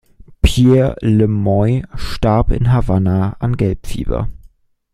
Pierre Le Moyne starb in Havanna an Gelbfieber.